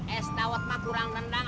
es dawet mah kurang rendang